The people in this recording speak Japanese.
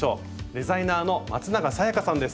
デザイナーのまつながさやかさんです。